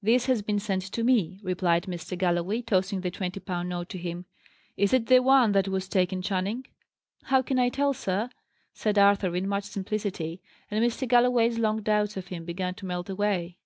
"This has been sent to me," replied Mr. Galloway, tossing the twenty pound note to him. "Is it the one that was taken, Channing?" "How can I tell, sir?" said Arthur, in much simplicity. And Mr. Galloway's long doubts of him began to melt away.